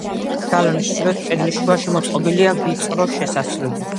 გალავნის ჩრდილოეთ კედლის შუაში მოწყობილია ვიწრო შესასვლელი.